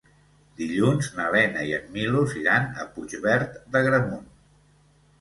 Dilluns na Lena i en Milos iran a Puigverd d'Agramunt.